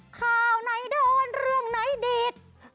ข่าวไหนโดนร่วมไหนดิด